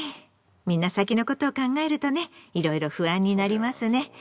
みんな先のことを考えるとねいろいろ不安になりますね。